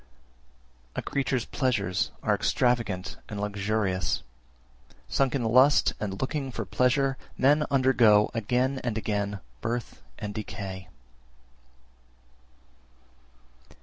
341. A creature's pleasures are extravagant and luxurious; sunk in lust and looking for pleasure, men undergo (again and again) birth and decay.